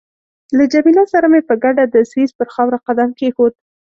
له جميله سره مې په ګډه د سویس پر خاوره قدم کېښود.